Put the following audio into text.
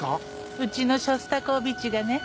うちのショスタコーヴィチがね。